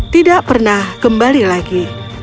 tidak pernah kembali lagi